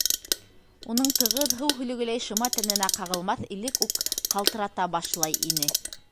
Уның тығыҙ, һыу һөлөгөләй шыма тәненә ҡағылмаҫ элек үк ҡалтырата башлай ине.